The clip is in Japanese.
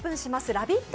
ラヴィット！